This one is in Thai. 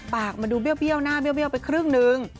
ปากมันดูเบี้ยวหน้าเบี้ยวไปครึ่งนึง